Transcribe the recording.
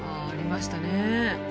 ありましたね。